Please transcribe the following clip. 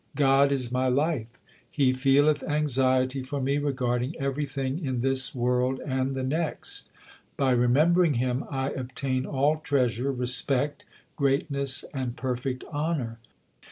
God is my life ; He feeleth anxiety for me regarding everything in this world and the next. By remembering Him I obtain all treasure, respect, great ness, and perfect honour.